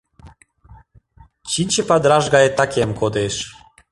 Чинче падыраш гае такем кодеш